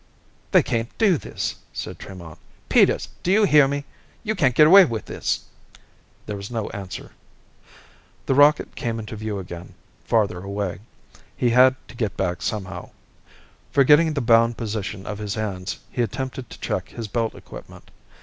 "They can't do this!" said Tremont. "Peters! Do you hear me? You can't get away with this!" There was no answer. The rocket came into view again, farther away. He had to get back somehow. Forgetting the bound position of his hands, he attempted to check his belt equipment.